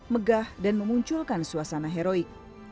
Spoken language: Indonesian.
megah dan memunculkan suasana heroik